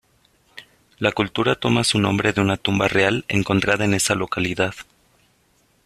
La cultura toma su nombre de una tumba real encontrada en esa localidad.